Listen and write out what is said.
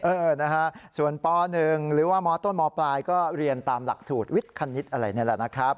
เออนะฮะส่วนป๑หรือว่ามต้นมปลายก็เรียนตามหลักสูตรวิทย์คณิตอะไรนี่แหละนะครับ